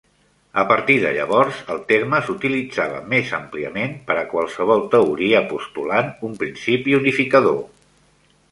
A partir de llavors el terme s'utilitzava més àmpliament, per a qualsevol teoria postulant un principi unificador.